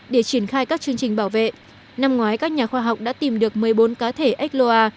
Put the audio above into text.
để triển khai các chương trình bảo vệ năm ngoái các nhà khoa học đã tìm được một mươi bốn cá thể ếch loa